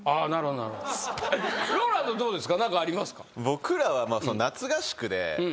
僕らは。